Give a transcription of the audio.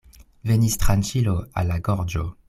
Venis tranĉilo al la gorĝo.